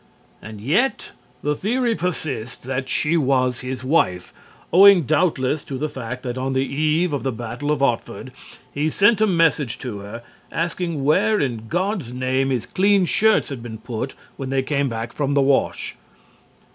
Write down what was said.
And yet the theory persists that she was his wife, owing doubtless to the fact that on the eve of the Battle of Otford he sent a message to her asking where "in God's name" his clean shirts had been put when they came back from the wash.